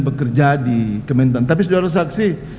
bekerja di kementerian tapi saudara saksi